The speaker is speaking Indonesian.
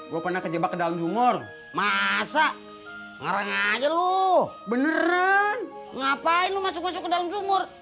gua pernah kejebak ke dalam sungur masa ngerang aja lu beneran ngapain masuk masuk ke dalam sungur